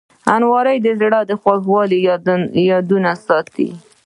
الماري د زړه خوږې یادونې ساتي